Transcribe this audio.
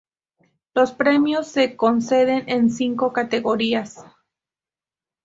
Los premios se conceden en cinco categorías.